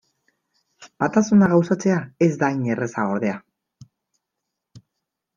Batasuna gauzatzea ez da hain erraza, ordea.